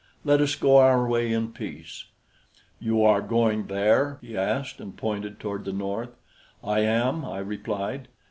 Let us go our way in peace." "You are going there?" he asked, and pointed toward the north. "I am," I replied.